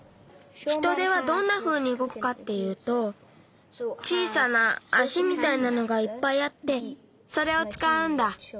ヒトデはどんなふうにうごくかっていうと小さな足みたいなのがいっぱいあってそれをつかうんだ。